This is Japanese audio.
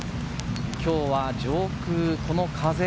今日は上空、この風。